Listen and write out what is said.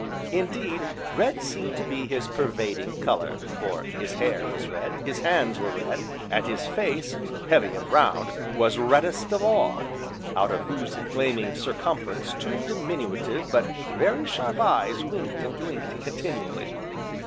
Indeed, red seemed to be his pervading colour, for his hair was red, his hands were red, and his face, heavy and round, was reddest of all, out of whose flaming circumference two diminutive but very sharp eyes winked and blinked continually.